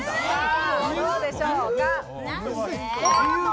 どうでしょうか？